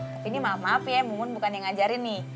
tapi ini maaf ya mun bukan yang ngajarin nih